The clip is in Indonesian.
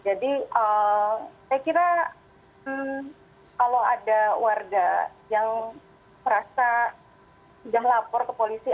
jadi saya kira kalau ada warga yang merasa sudah melapor ke polisi